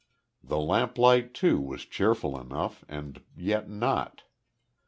The lamplight too, was cheerful enough, and yet not.